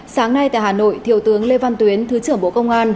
sáng nay tại hà nội thiếu tướng lê văn tuyến thứ trưởng bộ công an